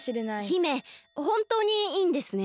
姫ほんとうにいいんですね？